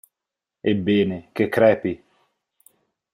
Ebbene, che crepi!